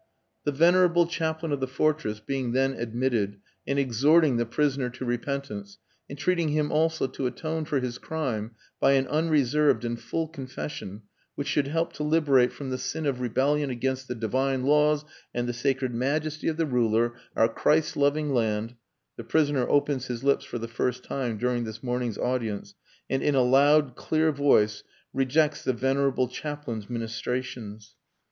"The venerable Chaplain of the Fortress being then admitted and exhorting the prisoner to repentance, entreating him also to atone for his crime by an unreserved and full confession which should help to liberate from the sin of rebellion against the Divine laws and the sacred Majesty of the Ruler, our Christ loving land the prisoner opens his lips for the first time during this morning's audience and in a loud, clear voice rejects the venerable Chaplain's ministrations.